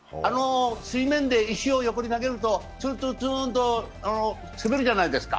水面で石を横に投げると、ツンツンツンと滑るじゃないですか。